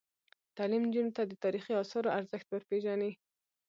تعلیم نجونو ته د تاریخي اثارو ارزښت ور پېژني.